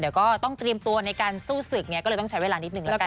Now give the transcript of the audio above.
เดี๋ยวก็ต้องเตรียมตัวในการสู้ศึกไงก็เลยต้องใช้เวลานิดนึงแล้วกัน